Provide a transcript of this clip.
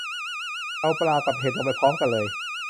เอาปลากับเห็ดลงไปพร้อมกันเลย